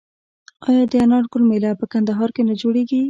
آیا د انار ګل میله په کندهار کې نه جوړیږي؟